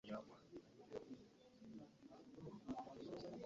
Emmotoka ennungi nyingi.